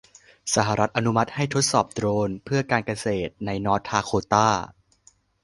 สหรัฐอนุมัติให้ทดสอบโดรนเพื่อการเกษตรในนอร์ทดาโคตา